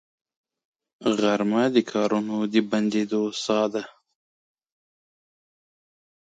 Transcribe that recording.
غرمه د کارونو د بندېدو ساه ده